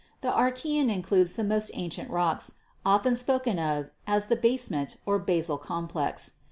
The Archaean includes the most ancient rocks, often spoken of as the 'basement, or basal complex.'